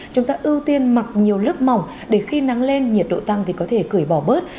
chúng ta ưu tiên mặc nhiều lớp mỏng để khi nắng lên nhiệt độ tăng thì có thể cưỡi bỏ bớt